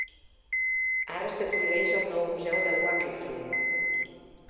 Ara s'exhibeix al nou museu de Wakefield.